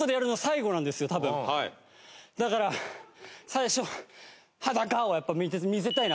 だから最初「裸」を見せたいなと思って。